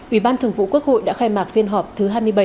ủy ban thường vụ quốc hội đã khai mạc phiên họp thứ hai mươi bảy